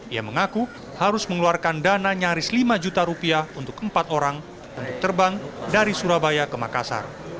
ia mengaku harus mengeluarkan dana nyaris lima juta rupiah untuk empat orang untuk terbang dari surabaya ke makassar